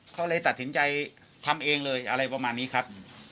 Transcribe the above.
เขาเลยตัดสินใจทำเองเลยอะไรประมาณนี้ครับ